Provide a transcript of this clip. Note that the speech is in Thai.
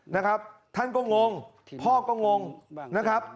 นะครับท่านก็งงพ่อก็งงนะครับ